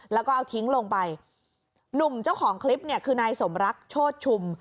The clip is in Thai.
แล้วก็เอาทิ้งลงไปหนุ่มเจ้าของคลิปเนี่ยคือนายสมรักโชธชุม